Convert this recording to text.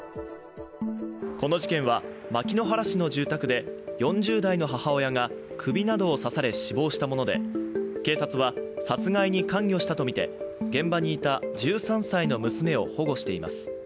この事件は牧之原市の住宅で４０代の母親が首などを刺され死亡したもので、警察は殺害に関与したとみて現場にいた１３歳の娘を保護しています。